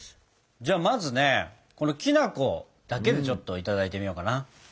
じゃあまずねこのきな粉だけでちょっといただいてみようかな。